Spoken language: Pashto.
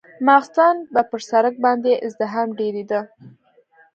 ماخستن به پر سړک باندې ازدحام ډېرېده.